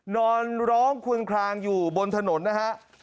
นอนร้องคุยคลางอยู่บนถนนนะครับ